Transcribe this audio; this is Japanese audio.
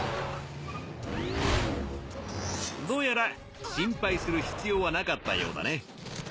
どうやら心配する必要はなかったようだね。